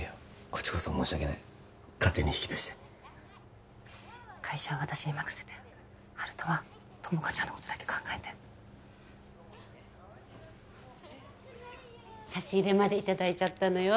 こっちこそ申し訳ない勝手に引き出して会社は私に任せて温人は友果ちゃんのことだけ考えて差し入れまでいただいちゃったのよ